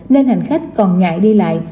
nên hành khách còn ngại đi lại